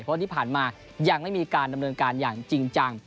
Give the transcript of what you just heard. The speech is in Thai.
เพราะว่าที่ผ่านมายังไม่มีการดำเนินการอย่างจริงจัง